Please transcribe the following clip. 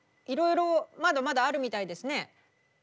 いろいろまだまだあるみたいですね。